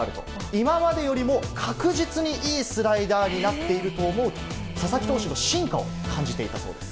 今までよりも確実にいいスライダーになっていると思うと、佐々木投手の進化を感じていたそうです。